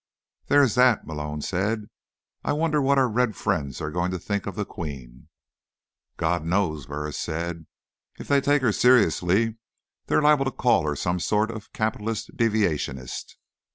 "There is that," Malone said. "I wonder what our Red friends are going to think of the Queen." "God knows," Burris said. "If they take her seriously, they're liable to call her some sort of capitalist deviationist."